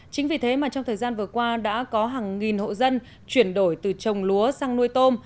chính vì thế mà trong thời gian vừa qua đã có hàng nghìn hộ dân chuyển đổi từ trồng lúa sang nuôi tôm